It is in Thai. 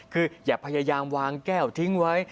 คืออย่าพยายามวางแก้วทิ้งไว้